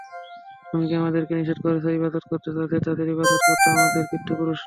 তুমি কি আমাদেরকে নিষেধ করছ ইবাদত করতে তাদের, যাদের ইবাদত করত আমাদের পিতৃ-পুরুষরা?